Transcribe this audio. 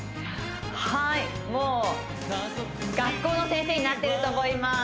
はいもう学校の先生になってると思います